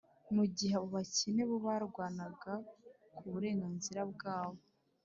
mu gihe abo bakene bo barwanaga ku burenganzira bwabo.